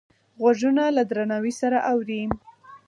غوږونه له درناوي سره اوري